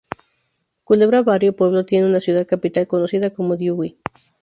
Culebra barrio-pueblo tiene una ciudad capital conocida como Dewey.